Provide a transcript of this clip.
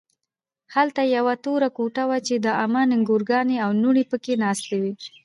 هلته یوه توره کوټه وه چې د عمه نګورانې او لوڼې پکې ناستې وې